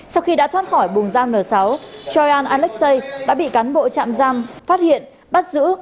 sau khi đã thoát khỏi bùng giam n sáu choian alexei đã bị cán bộ trạm giam phát hiện bắt giữ